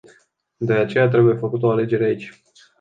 De aceea trebuie făcută o alegere aici.